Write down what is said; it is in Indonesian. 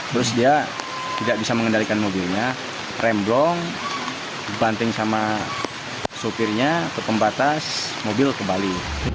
terus dia tidak bisa mengendalikan mobilnya rem blok banting sama sopirnya ke pembatas mobil kembali